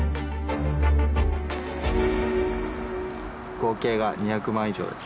合計が２００万円以上です。